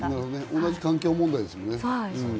同じ環境問題ですもんね。